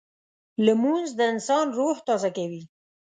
لمونځ د انسان روح تازه کوي